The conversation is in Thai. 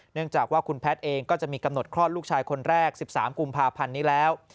เนื่องจากว่าคุณแพทย์เองก็จะมีกำหนดคลอดลูกชายคนแรก๑๓กุมภาพันธ์นี้แล้ว